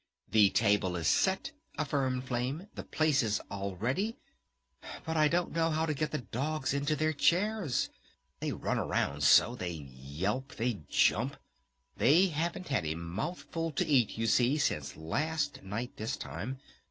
"The table is set," affirmed Flame. "The places, all ready! But I don't know how to get the dogs into their chairs! They run around so! They yelp! They jump! They haven't had a mouthful to eat, you see, since last night, this time!